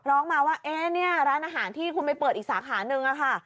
ร้องมาว่าเอ๊ะเนี่ยร้านอาหารที่คุณไปเปิดอีกสาขานึงอะค่ะ